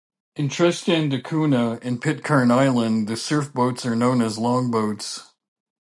In Tristan da Cunha and Pitcairn Island the surf boats are known as longboats.